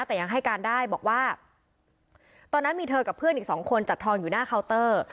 แต่ยังให้การได้บอกว่าตอนนั้นมีเธอกับเพื่อนอีกสองคนจับทองอยู่หน้าเคาน์เตอร์